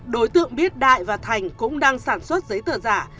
đối tượng biết đại và thành cũng đang sản xuất giấy tờ giả